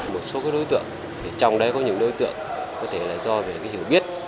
một số đối tượng trong đấy có những đối tượng có thể là do về hiểu biết